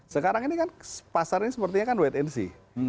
sekarang ini kan pasar ini sepertinya kan wait and see